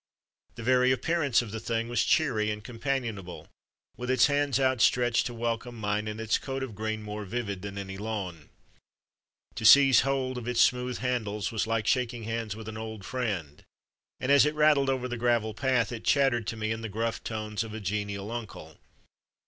The very appearance of the thing was cheery and companionable, with its hands outstretched to welcome mine, and its coat 126 THE DAY BEFORE YESTERDAY of green more vivid than any lawn. To seize hold of its smooth handles was like shaking hands with an old friend, and as it rattled over the gravel path it chattered to me in the gruff tones of a genial uncle.